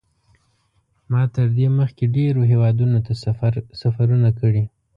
ما تر دې مخکې ډېرو هېوادونو ته سفرونه کړي.